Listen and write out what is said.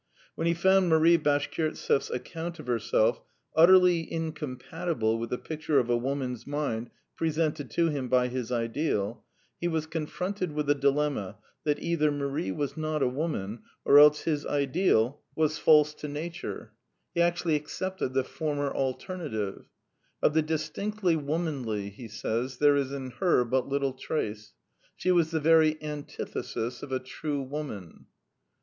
When he found Marie Bashkirtseff's ac count of herself utterly incompatible with the pic ture of a woman's mind presented to him by his ideal, he was confronted with the dilemma that either Marie was not a woman or else his ideal 34 '^hc Quintessence of Ibsenism was false to nature. He actually accepted the former alternative. " Of the distinctively wo manly," he says, '* there is in her but little trace. She was the very antithesis of a true woman."